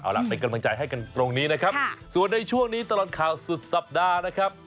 เอาล่ะเป็นกำลังใจให้กันตรงนี้นะครับส่วนในช่วงนี้ตลอดข่าวสุดสัปดาห์นะครับ